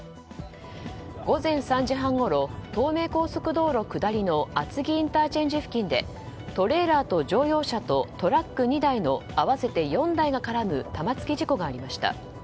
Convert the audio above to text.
午前３時半ごろ東名高速道路下りの厚木ＩＣ付近でトレーラーと乗用車とトラック２台の合わせて４台が絡む玉突き事故がありました。